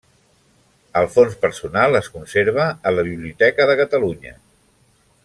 El fons personal es conserva a la Biblioteca de Catalunya.